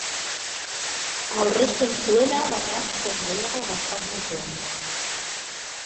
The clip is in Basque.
Aurrezten zuena baino askoz gehiago gastatzen zuen.